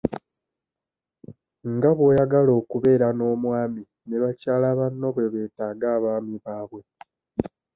Nga bw'oyagala okubeera n'omwami ne bakyala banno bwe beetaaga abaami baabwe.